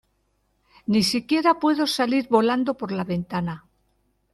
Ni siquiera puedo salir volando por la ventana.